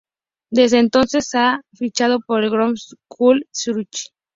Desde entonces, ha fichado por el Grasshopper-Club Zürich.